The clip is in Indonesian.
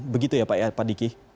begitu ya pak diki